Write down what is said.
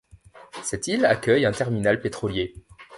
Cette île accueille un terminal pétrolier.